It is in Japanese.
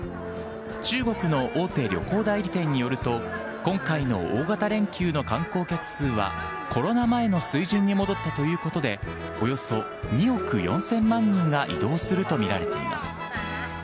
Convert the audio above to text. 中国の大手旅行代理店によると、今回の大型連休の観光客数は、コロナ前の水準に戻ったということで、およそ２億４０００万人が移動すると見られています。